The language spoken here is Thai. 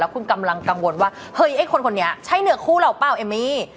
คุณกำลังกังวลว่าเฮ้ยไอ้คนคนนี้ใช่เนื้อคู่เราเปล่าเอมมี่